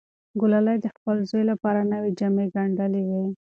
ګلالۍ د خپل زوی لپاره نوې جامې ګنډلې وې.